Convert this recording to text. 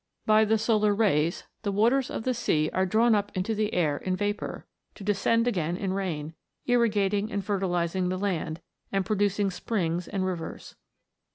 By the solar rays the waters of the sea are drawn up into the air in vapour, to descend again in rain, irrigating and fertilizing the laud, and producing springs and rivers.